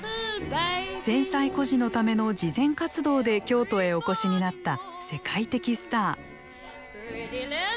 戦災孤児のための慈善活動で京都へお越しになった世界的スター。